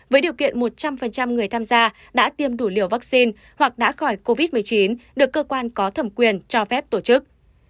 với điều kiện một trăm linh người tham gia đã tiêm đủ liều vaccine hoặc đã khỏi covid một mươi chín được cơ quan có thẩm quyền cho phép tổ chức